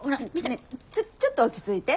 ねえちょっと落ち着いて。